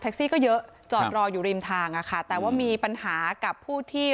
ซี่ก็เยอะจอดรออยู่ริมทางอะค่ะแต่ว่ามีปัญหากับผู้ที่